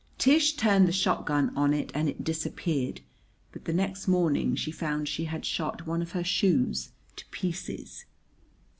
Tish turned the shotgun on it and it disappeared; but the next morning she found she had shot one of her shoes to pieces.